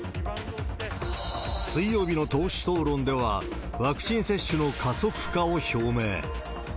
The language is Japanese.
水曜日の党首討論では、ワクチン接種の加速化を表明。